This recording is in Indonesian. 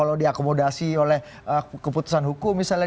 kalau diakomodasi oleh keputusan hukum misalnya